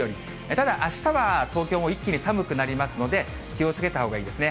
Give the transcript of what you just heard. ただ、あしたは東京も一気に寒くなりますので、気をつけたほうがいいですね。